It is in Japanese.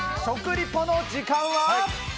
食リポの時間は。